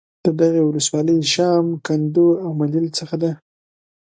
د دغې ولسوالۍ شام ، کندو او ملیل څخه د